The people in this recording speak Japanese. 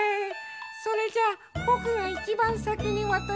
それじゃあぼくがいちばんさきにわたるよ。